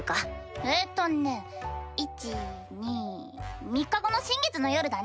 えっとね１・２３日後の新月の夜だね。